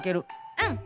うん。